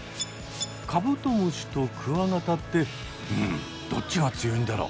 カブトムシとクワガタってうんどっちが強いんだろ？